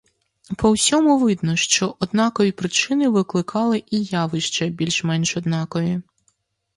По всьому видно, що однакові причини викликали і явища більш-менш однакові.